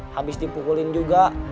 habis dipukulin juga